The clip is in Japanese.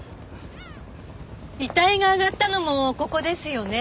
遺体が上がったのもここですよね？